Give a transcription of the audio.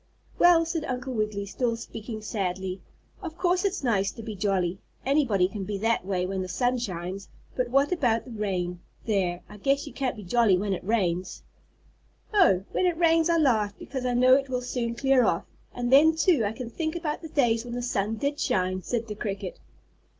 "Well," said Uncle Wiggily, still speaking sadly, "of course it's nice to be jolly, anybody can be that way when the sun shines, but what about the rain? There! I guess you can't be jolly when it rains." "Oh! when it rains I laugh because I know it will soon clear off, and then, too, I can think about the days when the sun did shine," said the cricket.